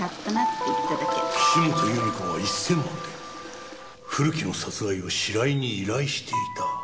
岸本由美子が１０００万で古木の殺害を白井に依頼していた？